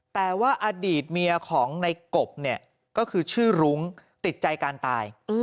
แต่ว่าอดีตเมียของในกบเนี่ยก็คือชื่อรุ้งติดใจการตาย